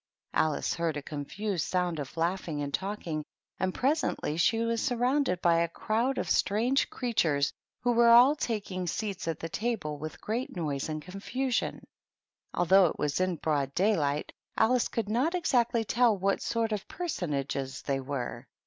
Alice heard a confused sound of laughing and talking, and presently she was surrounded by a crowd of strange creatures, who were all taking seats at the table with great noise and confusion. Although it was in broad daylight, Alice could not exactly tell what sort of personages they were.